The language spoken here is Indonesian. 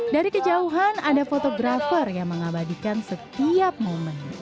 dari kejauhan ada fotografer yang mengabadikan setiap momen